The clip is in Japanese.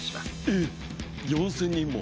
えっ４，０００人も。